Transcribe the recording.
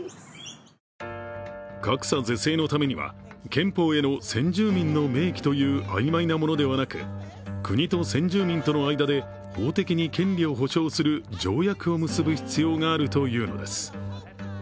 格差是正のためには憲法への先住民の明記という曖昧なものではなく国と先住民との間で、法的に権利を保障する、条約を結び必要があるというのです。